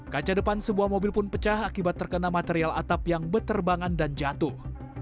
kaca depan sebuah mobil pun pecah akibat terkena material atap yang berterbangan dan jatuh